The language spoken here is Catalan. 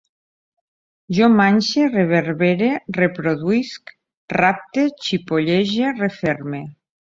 Jo manxe, reverbere, reproduïsc, rapte, xipollege, referme